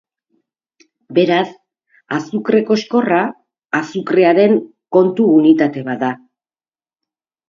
Beraz, azukre-koxkorra azukrearen kontu-unitate bat da.